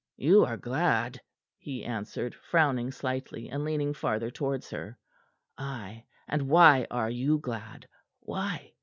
"You are glad," he answered, frowning slightly, and leaning farther towards her. "Ay, and why are you glad? Why?